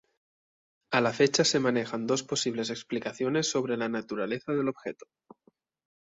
A la fecha se manejan dos posibles explicaciones sobre la naturaleza del objeto.